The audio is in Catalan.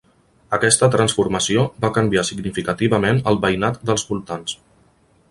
Aquesta transformació va canviar significativament el veïnat dels voltants.